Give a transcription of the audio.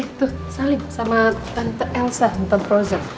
oke tuh salim sama tante elsa tante pausen